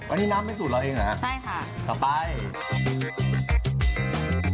อันนี้น้ำเป็นสูตรเราเองเหรอครับต่อไปใช่ค่ะ